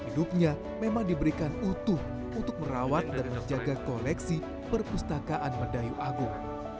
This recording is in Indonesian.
hidupnya memang diberikan utuh untuk merawat dan menjaga koleksi perpustakaan mendayu agung